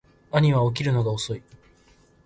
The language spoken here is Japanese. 兄は起きるのが遅い